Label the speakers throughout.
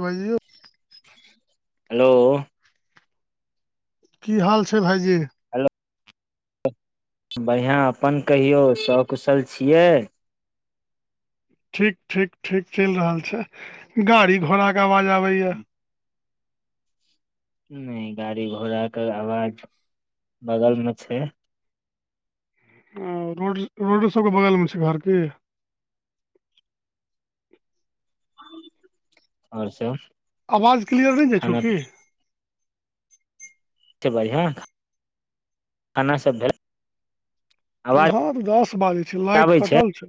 Speaker 1: भाइ जी यै
Speaker 2: हेलो।
Speaker 1: कि हाल छै भाइजी।
Speaker 2: बढ़िआ अपन कहियौ सकुशल छियै।
Speaker 1: ठीक ठीक ठीक चलि रहल छै गाड़ी घोड़ा के आवाज आबे ये।
Speaker 2: नहि गाड़ी घोड़ा कऽ के आवाज बगल मे छै।
Speaker 1: ओ रोड रोडो सभके बगलमे छै घर की
Speaker 2: आओर सभ
Speaker 1: आवाज क्लियर नहि जाई छौ कि।
Speaker 2: सभ बढ़िया खाना सभ भेल आवाज
Speaker 1: तऽ दस बाजै छै लाइट कटल छै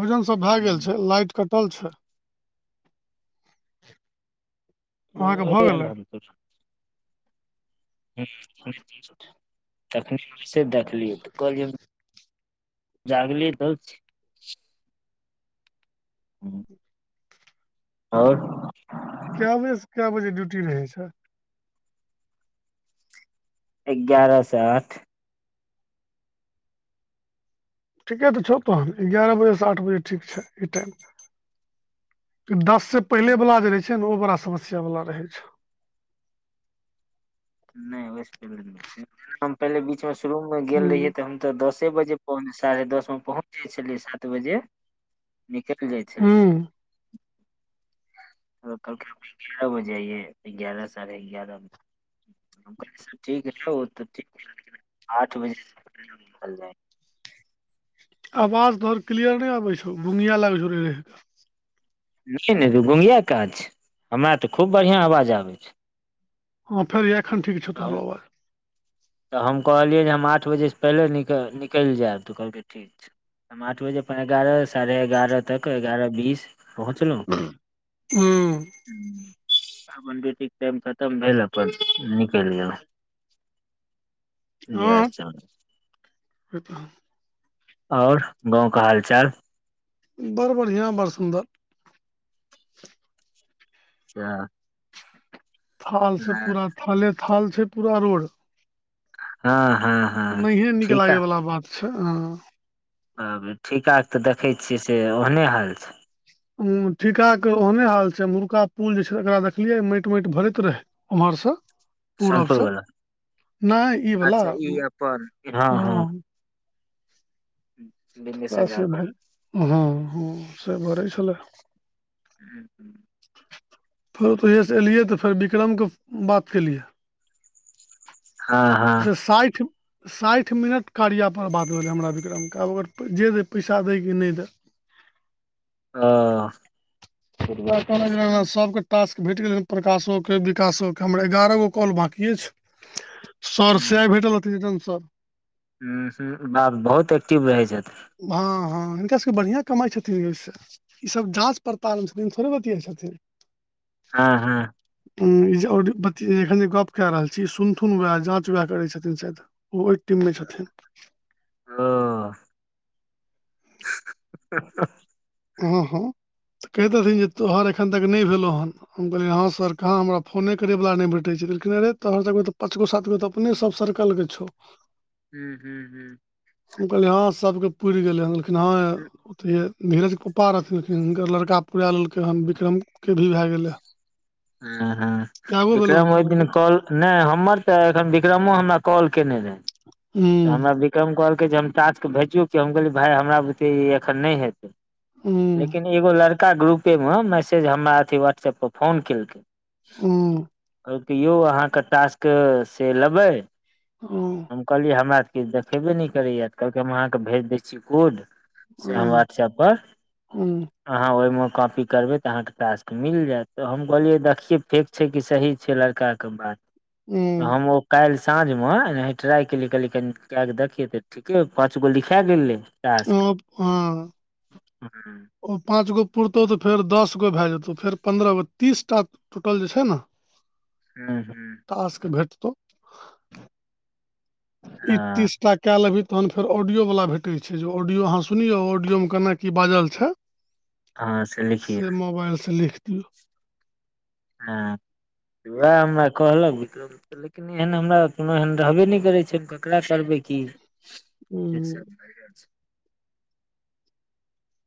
Speaker 1: भोजन भऽ गेल
Speaker 2: हूँ,
Speaker 1: छै लाइट कटल छै अहाँके भऽ गेलै
Speaker 2: आ। हैं तखने वस देखलियै तऽ कहलियै जगली दल। हू ओर
Speaker 1: कए बजेस कए बजे ड्यूटी रहै छै।
Speaker 2: एगारह सा आठ।
Speaker 1: ठीके तऽ छौ तहन एगारह बजेस आठ बजे ठीक छै ई टाइमप। दस से पहिले वला जे रहै छै ने ओ बड़ा समस्या वाला रहै छै।
Speaker 2: नहि फड छै पहिले बीच मे शुरूम मे गेल
Speaker 1: हूँ
Speaker 2: रहियै तऽ हम। तऽ दसे बजे साढ़े दस मे पहुँच जाई छलियै सात बजे निकेत जाई छल
Speaker 1: हूँ
Speaker 2: कल एगारह बजे आइयए गगारह साढ़े गगारह। ठीक रहै ओ तऽ ठीक लिना आठ बजे निकल जाए।
Speaker 1: आवाज तोहर क्लियर नहि आबै छौ बुनिया लागै छौ रहिके
Speaker 2: नहि नहि रू गुमिया काज छै हमरा ते खूब बढ़िया आवाज आबे छै।
Speaker 1: ह फेर एखन ठीक छौ
Speaker 2: तऽ हम
Speaker 1: तोरो आवाज।
Speaker 2: तऽ हम कहलियै जे हम आठ बजेस पहिले निकलि जायब तऽ कहलकै ठीक छै। हम आठ बजे एगारह साढ़े एगारह तक एगारह बीस पहुँचलहुँ
Speaker 1: हू
Speaker 2: अपन ड्यूटीक के टाइम खतम भेल अपन निकल गेल य
Speaker 1: हँ
Speaker 2: च आओर गाव कऽ हाल चाल।
Speaker 1: बड़ बढ़िया बड़ सुन्दर
Speaker 2: अच्छा
Speaker 1: थाल से पूरा थाले थाल छै पूरा रोड।
Speaker 2: हँ हँ। हँ
Speaker 1: नहिए नीक
Speaker 2: ठीक ह
Speaker 1: लागैवला बात छै ह।
Speaker 2: आ ठीका तऽ देखैत छियै से ओहने हाल छै।
Speaker 1: उ ठीका के ओहने हाल छै एमहुरका पुल देखलिये माटि माटि भरैत रहे। उमहर सँ पूरब
Speaker 2: सोनपुर
Speaker 1: सँ
Speaker 2: वला
Speaker 1: नहि ई वलाा।
Speaker 2: पर हँ हँ।
Speaker 1: त
Speaker 2: बिनेश झा
Speaker 1: से भ
Speaker 2: घर
Speaker 1: हँ ह से भरै छलै
Speaker 2: [unintelligible]
Speaker 1: फेर तहिये सँ अयलियै तऽ फेर विक्रम क बात केलियै।
Speaker 2: हँ हँ
Speaker 1: साठि साठि मिनट कार्या पर बात भेलै हमरा विक्रम के आब अगर जे दै पैसा दै कि नहि दै।
Speaker 2: ह। [unintelligible]
Speaker 1: [unintelligible] सबके। तास्क भेट गेलै ह प्रकाश विकाशो के हमर एगारह गो कॉल बाँकी छैय। सर से आइ भेटल रहथिन [unintelligible]
Speaker 2: ह ह बाप बहुत एक्टिव रहै छथि।
Speaker 1: हँ हँ हिनका सभके बढ़िआँ कमाइत छथिन ओहिसँ। ई सब जाँच पड़ताल मे छथिन थोड़े बतिआइ छथिन।
Speaker 2: हँ हँ।
Speaker 1: ह ई एखन जे गप्प कए रहल छी सुनथुन उएह जाँच उएह करै छथिन शायद। ओ ओहि टीम मे छथिन।
Speaker 2: ओ [unintelligible]
Speaker 1: हँ हँ कहदेथिन तोहरे एखन तक नहि भेलौँ ह। हम कहलियै हँ सर कहाँ हमरा फोने करयवला नहि भेटैत छैय अरे तोरो पाँचगो सातगो तऽ। अपने सब सर्कल के छौव।
Speaker 2: हूँ हूँ
Speaker 1: हम कहलियै ह सभके पुर गेलै ह हँ धीरज पप्पा रहथिनिन हिनकर लड़का पुरा लेलकै हन विक्रम के भी भए गेल ह।
Speaker 2: ह हँ
Speaker 1: भेलौ हन
Speaker 2: विक्रम ओइ
Speaker 1: तोहर हम
Speaker 2: दिन
Speaker 1: कहलियै
Speaker 2: कॉल नहि हमर तऽ एखन विक्रमो हमरा कॉल केने रहय।
Speaker 1: [inaudible]
Speaker 2: तऽ हमरा विक्रम कहलकै जे हम टास्क भेचू कि हम कहलियै भाय हमरा बुते ई एखन नहि हेतै।
Speaker 1: हुँ
Speaker 2: लेकिन एगो लड़का ग्रुपे मे मैसेज हमरा अथी व्हाट्सऐपपर फोन केलकै।
Speaker 1: हुँ
Speaker 2: कहलके यौव अहाँके टास्क से लेबै।
Speaker 1: ओ
Speaker 2: हम कहलियै हमरा तऽ किछु देखेबे नहि करैएा तऽ कहलकै हम अहाँके भेज दै छी खुद से हम
Speaker 1: हुँ
Speaker 2: व्हाट्सऐप पर
Speaker 1: हुँ
Speaker 2: अहाँ ओहिमें कॉपी करबे तऽ अहाँके टाक्स मिल जायत त हम कहलियै देखिये फेक छै कि सही छै लड़का के बात तऽ
Speaker 1: हुँ
Speaker 2: हम ओ काल्हि साँझ मे एना ट्राई केलिय देखिये तऽ ठीके पाँच गो लिखा गेल
Speaker 1: [unintelligible]
Speaker 2: हूँ।
Speaker 1: ओ पाँच गो पुरतौ तऽ फेर दस गो भए जेतौ फेर पन्द्रह गो तीस टा टोटल जे छै ने [inaudible]
Speaker 2: हू हू
Speaker 1: टास्क भेटतौ। इ
Speaker 2: हँ
Speaker 1: तीसटा कै लेभी तहन फेर ऑडियोवला भेटैत छैय जे ऑडियो अहाँ सुनियौ ऑडियोमे केना की बाजल छैय
Speaker 2: हँ लिखियौ
Speaker 1: से मोबाइल से लिख दियौ।
Speaker 2: हँ वैह हमरा कहलक बिक्रम लेकिन एहन हमरा कोनो एहन रहबे नहि करै छैक क एकरा करबै की
Speaker 1: हूं
Speaker 2: [unintelligible]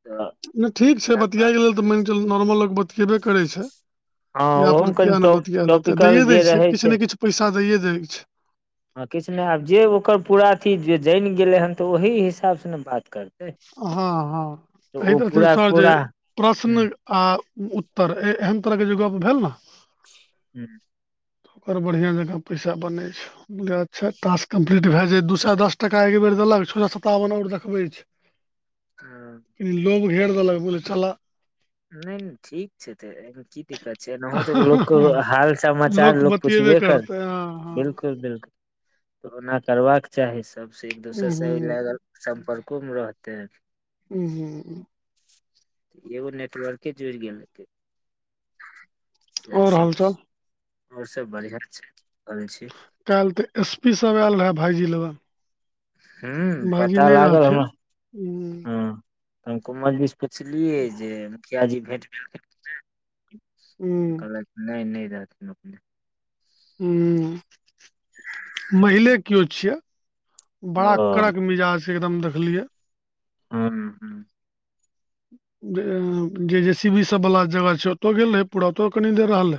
Speaker 2: तऽ
Speaker 1: नहि ठीक छैय बतियायलेल तऽ मैन चलु नॉर्मल लोक बतिेबे करै छैय।
Speaker 2: हँ
Speaker 1: तऽ यह पर
Speaker 2: ओहोमे कनि
Speaker 1: किए नहि
Speaker 2: टॉप
Speaker 1: बतियाय लेतै
Speaker 2: टॉपिकल
Speaker 1: दैए दै
Speaker 2: जे
Speaker 1: छैय
Speaker 2: रहै
Speaker 1: किछु
Speaker 2: छै
Speaker 1: ने किछु पैसा दैए दै छैय।
Speaker 2: ह किछु नहि आब जे ओकर पूरा अथी जे जानि गेलै हन तऽ ओहि हिसाब से ने बात करतै।
Speaker 1: हँ हँ
Speaker 2: तऽ ओ
Speaker 1: कहैत रहथिन
Speaker 2: पूरा
Speaker 1: सर जे
Speaker 2: पूरा ह
Speaker 1: प्रश्न आ उत्तर एहन तरह के जे गप भेल न
Speaker 2: हूं
Speaker 1: ओकर बढ़िआँ जकाँ पैसा बनै छैय। अच्छा टास्क कम्प्लीट भय जाय दू सए दस टका एक बेर देलक छौ सतावन आर देखबे छैय। लोभ घेर देलक बोल चला।
Speaker 2: नहि नहि ठीक छैय तऽ की क नहि तऽ लोकके हाल समाचार लोक
Speaker 1: बतियेबे
Speaker 2: पुछबे कर
Speaker 1: करतै हँ हँ
Speaker 2: बिलकुल बिलकुल। [unintelligible] करबाक चाही। तबसे एक दोसर से
Speaker 1: उहूं
Speaker 2: ल सम्पर्को मे रहतै।
Speaker 1: उहूं
Speaker 2: एगो नेटवर्के जुड़ी गेल हेतै। इएह
Speaker 1: और
Speaker 2: सब
Speaker 1: हालचाल
Speaker 2: छैय और सब बढ़िआँ छैय करै छी।
Speaker 1: काल्हि तऽ एस पी सब आयल रहै भाइजी लग।
Speaker 2: हूँ
Speaker 1: भाइजी
Speaker 2: पता
Speaker 1: नहि
Speaker 2: लागल हमरा
Speaker 1: रहथिन ह
Speaker 2: हँ त हम कुमर भी से पुछलियै जे मुखिया जी भेंट [unintelligible] क
Speaker 1: हूं
Speaker 2: कहलैथ नहि न रहथिन अपने।
Speaker 1: हूं महिले केओ छियै। बड़ा
Speaker 2: ओ
Speaker 1: कड़क मिजाज छैय एकदम देखलियै।
Speaker 2: हूं हूं
Speaker 1: जे जे सी वी सब वाला जगह छैय ओतो गेल रहे पूरा ओतो कनी देर रहलै।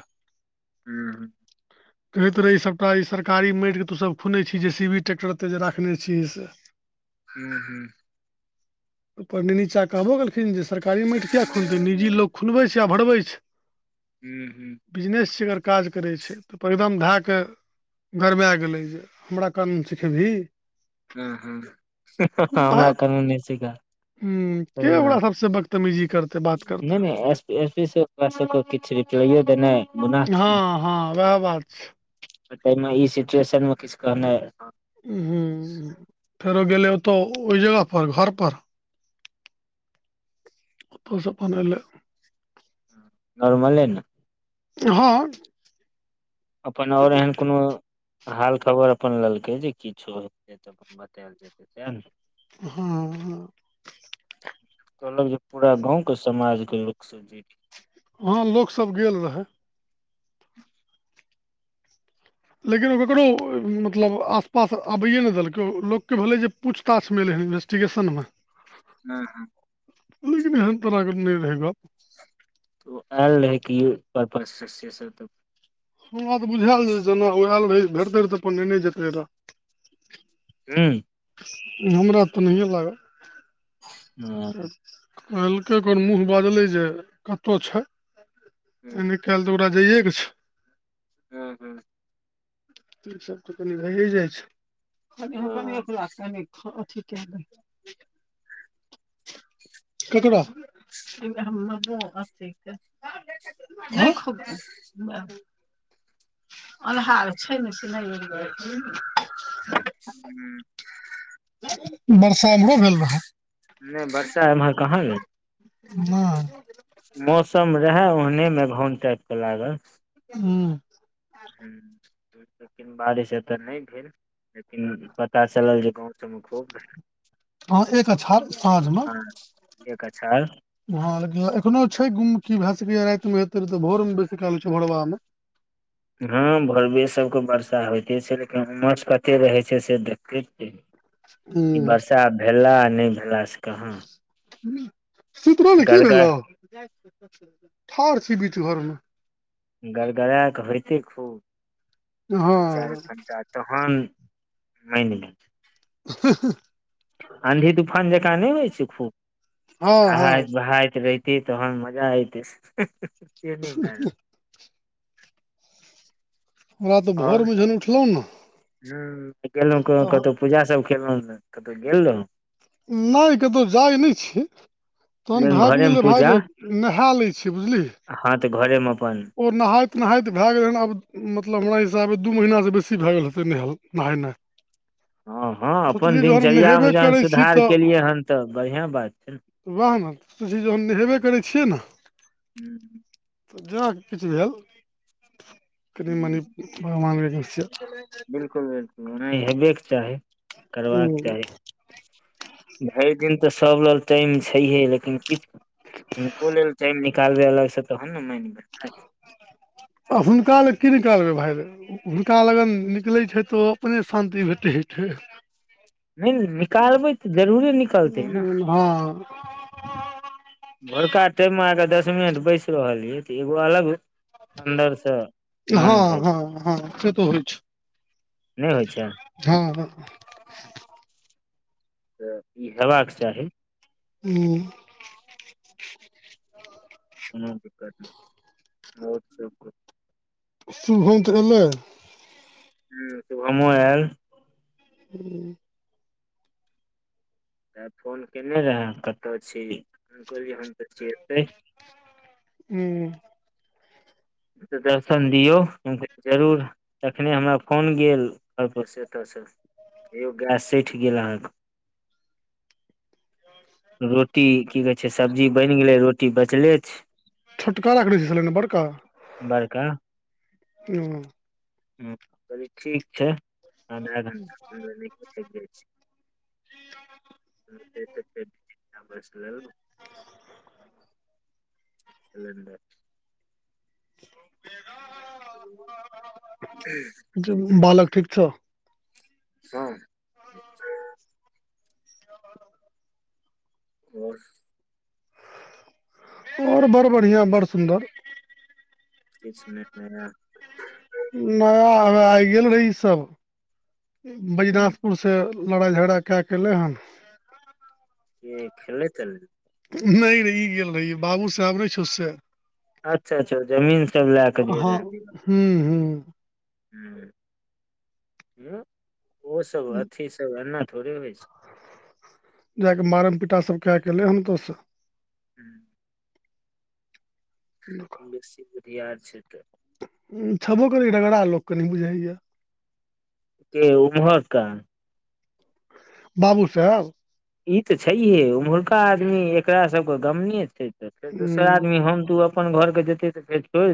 Speaker 2: हू
Speaker 1: कहैत रहे ई सबटा ई सरकारी मइटऽ तू सब खुने छी जे सी वी टैक्टर एते जे राखने छिही से।
Speaker 2: हू हू
Speaker 1: पनी नीचा कहबो गेलखिन जे सरकारी माटी किया खुनतै निजी लोग खुनबै छैय आ भरबै छैय।
Speaker 2: हूँ हूँ
Speaker 1: बिजनेस छियै अगर काज करै छैय। तऽ पर एकदम धएकेऽ गरमा गेलै जे हमरा कनुन सिखेबही।
Speaker 2: ह ह हमरा कनुन नहि सिका।
Speaker 1: हूं के ओकरा सबस बदतमीजी करतै बात करतै।
Speaker 2: ए सी किछु रिप्लाइयो देनाइ गुनाह
Speaker 1: हँ हँ वएह बात छैय।
Speaker 2: आ ताहिमे ई सिचुएशन मे किछु कहनाय
Speaker 1: ह फेरो गेलै ओतऽ ओहि जगह पर घरपर। तोऽ सप पनले
Speaker 2: नरमले न
Speaker 1: हँ
Speaker 2: अपन ओर
Speaker 1: कतहु
Speaker 2: एहन
Speaker 1: किछु
Speaker 2: कोनो हाल खबर अपन लेलकै जे किछो हेतै तऽ अपन बतायल जेतै सएह ने
Speaker 1: हँ आहाँ
Speaker 2: कहलक जे पूरा गाँंव के समाज के लोक सब जीत
Speaker 1: हँ लोक सब गेल रहए लेकिन ओ ककरो मतलब आसपास आबैए नै देलकै लोकके भेलै जे पूछताछ मै ह इन्वेस्टिगेशन मे
Speaker 2: हूँ हूँ
Speaker 1: लेकिन एहन तरहके नै रहै गप
Speaker 2: त ओ आयल रहै कि परपल्स
Speaker 1: हमरा त बुझायल रहै जेना ओ आयल रहै भेटतै रह तऽ अपन नेने जेतै रहऽ
Speaker 2: हूँ
Speaker 1: हमरा तऽ नहिए लागल तऽ कहलकै फेर मूँह बजलै जे कत छै नै कल्ह तऽ ओकरा जइयए के छै
Speaker 2: हूँ हूँ
Speaker 1: ई सब तऽ कनि रहि जाइ छै कनि हँ कनिक [unintelligible] केकरा हम बथ [unintelligible] अन्हार छै ने सुनाईये नै [unintelligible]
Speaker 2: हूँ
Speaker 1: बरसा ईमरो भेल रहए
Speaker 2: नै बर्सा एमहर कहाँ गेल
Speaker 1: हँ
Speaker 2: मौसम रहेए ओहने मेघाओन टाइप के लागल
Speaker 1: हूँ
Speaker 2: हूँ लेकिन बारिश एतऽ नै भेल लेकिन पता चलल जे गाँव सबमे खूब
Speaker 1: हँ एक अच्छार साँझमे
Speaker 2: हँ एक अछार
Speaker 1: हँ लेकिन एखनो छै गुम की भए सकै या राति मे हेते तऽ भोर मे बेसी काल छै भोड़बा मे
Speaker 2: हँ भोरबे सबके वर्षा होइते छै लेकिन उमस कते रहै छै से देखै छियै
Speaker 1: ऊँ
Speaker 2: छा भेलाए आ नै भेलाए सँ कहाँ
Speaker 1: सुत रहने की
Speaker 2: गड़गड़
Speaker 1: भेलौ ठाढ़ छी बीच घरमे
Speaker 2: गड़गड़ा क होयइतै खूब
Speaker 1: हँ
Speaker 2: दू चारि घंटा तहन मान गेथ
Speaker 1: [unintelligible]
Speaker 2: आंधी तूफान जकाँ नै होइ छै खूब
Speaker 1: हँ हँ
Speaker 2: कहाइत बहाइत र ती तहन मजा आइ ते से नै [unintelligible]
Speaker 1: हमरा तऽ
Speaker 2: आओर
Speaker 1: भोर मे जहन उठलहुँ ने
Speaker 2: हूँ गेलौं कोनो
Speaker 1: तहन
Speaker 2: कतौ पूजा सभ केलहूँ कतहु गेल रहौ
Speaker 1: नहि कतहु जाए नहि छियै तहन
Speaker 2: नहि
Speaker 1: भए
Speaker 2: घरे मे
Speaker 1: गेलै भाई रे नहा लै छै बुझलिी
Speaker 2: ह तऽ घरेमे अपन
Speaker 1: ओ नहाइत नहाइत भऽ गेलै हन आब मतलब हमरा हिसाबे दू महिनासँ बेसी भऽ गेल हेतै नहाय नहेना
Speaker 2: ह ह अपन
Speaker 1: नहेबे
Speaker 2: दिनचर्यामे जहन
Speaker 1: करै छी
Speaker 2: सुधार
Speaker 1: तऽ
Speaker 2: केलियै हन तऽ बढ़िआ बात छै ने
Speaker 1: वएह ने सोची जहन नहेबे करै छियै न
Speaker 2: हू।
Speaker 1: त जाके किछु भेल कनि मनि भगवान
Speaker 2: बिल्कूल बिल्कूल हेबेके चाही करबाक चाही भरि दिन तऽ सभ लग टाइम छैहे लेकिन किछ हुनको लेलऽ टाइम निकालबै अलग से तहन ने मन
Speaker 1: अखुनका लऽ कि निकलबै भाय हुनका लगन निकलै छै तऽ ओ अपने शान्ति भेते छै
Speaker 2: नहि निकालबै तऽ जरूरे निकलतै न
Speaker 1: ह
Speaker 2: भोरका टाइम मे आ के दस मिनट बैस रहल यै तऽ एगो अलग अन्दरसँ
Speaker 1: ह
Speaker 2: मन भए
Speaker 1: ह
Speaker 2: जाइ
Speaker 1: ह से तो होई छै
Speaker 2: नहि होई छै
Speaker 1: ह ह
Speaker 2: तऽ हेबाक चाही
Speaker 1: हू।
Speaker 2: [inaudible] को दऽ करत बहुत शक
Speaker 1: शुभमत गेलये।
Speaker 2: हू हम गामो आयल
Speaker 1: हू।
Speaker 2: तऽ फोन केने रहे कतय छी तऽ हम कहलीय हम त छी एतय
Speaker 1: हू।
Speaker 2: तऽ दर्शन दियौ हम कहली जरूर। तखने हमरा फोन गेलसँ बस एतयसँ। हेयो गैस सठि गेल अहाँकेँ रोटी कि कहै छै सब्जी बनि गेलै रोटी बचले छै
Speaker 1: छोटका राखैने छी सलेण्डर बड़का।
Speaker 2: बरका।
Speaker 1: हू
Speaker 2: ह कहलय ठीक छै आधा घंटा सँ लेन गेसे कऽ गेले बस ल [unintelligible] लैने छी। [unintelligible]
Speaker 1: बालकऽ ठीक छौ
Speaker 2: ह ओर।
Speaker 1: ओर बड़ बढ़िआ बड़ सुंन्दर
Speaker 2: किछ नय भैया
Speaker 1: नया आबे आइ गेल रही ई सब बैजनाथपुर
Speaker 2: हूँ
Speaker 1: से लड़ाइ झगड़ा कए कऽ एलै हन
Speaker 2: ई खेलै तेलै
Speaker 1: नय रे ई गेल रहियै बाबू साहेब नय छौ से
Speaker 2: अच्छा अच्छा जमीन सब लए कऽ गेल हेबही
Speaker 1: हुँ हुँ
Speaker 2: हुँ हुँ ओ सब अथी सब एना थोड़े होइ छै
Speaker 1: जाकऽ मारण पिटा सब कए कऽ अलै हन ओतयसँ
Speaker 2: [inaudible] बेसी बुधियार छै तऽ
Speaker 1: छेबो करै रगड़ा लोक कनी बुझाइये
Speaker 2: के उम्हर का
Speaker 1: बाबू साहेब
Speaker 2: ई तऽ छैहे ओम्हुरका आदमी एकरा सभके गमने छै तऽ फेर दोसर आदमी
Speaker 1: हूँ
Speaker 2: हम तू अब अपन घर के जेतै तऽ छोड़ि